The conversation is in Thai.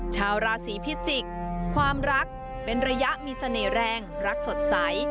ชาวราศีพิจิกษ์ความรักเป็นระยะมีเสน่ห์แรงรักสดใส